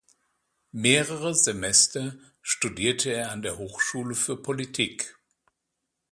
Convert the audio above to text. Mehrere Semester studierte er an der Hochschule für Politik.